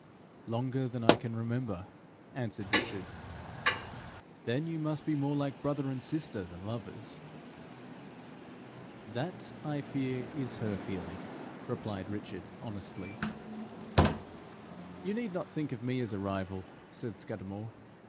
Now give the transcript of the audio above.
'Longer than I can remember,' answered Richard. 'Then you must be more like brother and sister than lovers.' 'That, I fear, is her feeling,' replied Richard, honestly. 'You need not think of me as a rival,' said Scudamore.